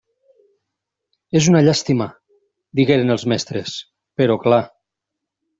És una llàstima —digueren els mestres—, però clar...